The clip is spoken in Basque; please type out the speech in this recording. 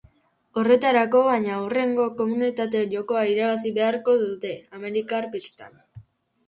Horretarako, baina, hurrengo immunitate-jokoa irabazi beharko dute, amerikar pistan.